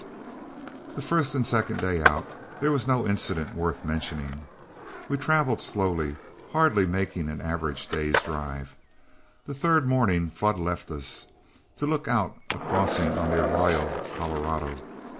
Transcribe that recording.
The first and second day out there was no incident worth mentioning. We traveled slowly, hardly making an average day's drive. The third morning Flood left us, to look out a crossing on the Arroyo Colorado.